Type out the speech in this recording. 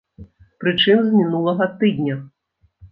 Прычым, з мінулага тыдня!